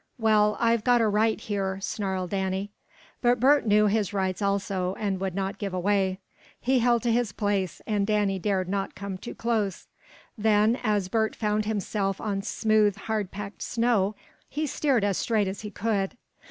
"Well, I've got a right here!" snarled Danny. But Bert knew his rights also, and would not give away. He held to his place, and Danny dared not come too close. Then, as Bert found himself on smooth, hardpacked snow, he steered as straight as he could.